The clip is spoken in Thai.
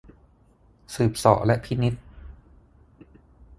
สืบเสาะและพินิจ